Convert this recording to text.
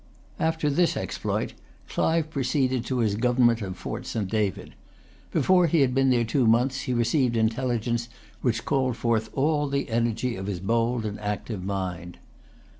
After this exploit, Clive proceeded to his government of Fort St. David. Before he had been there two months, he received intelligence which called forth all the energy of his bold and active mind.